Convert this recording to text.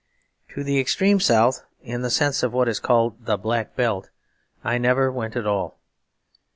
To the extreme South, in the sense of what is called the Black Belt, I never went at all.